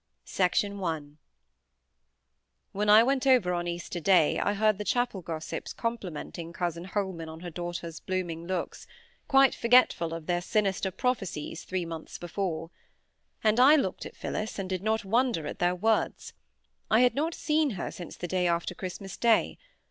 PART IV When I went over on Easter Day I heard the chapel gossips complimenting cousin Holman on her daughter's blooming looks, quite forgetful of their sinister prophecies three months before. And I looked at Phillis, and did not wonder at their words. I had not seen her since the day after Christmas Day.